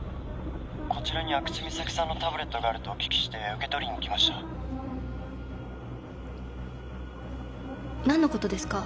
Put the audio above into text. こちらに阿久津実咲さんのタブレットがあるとお聞きして受け取りに来ました何のことですか？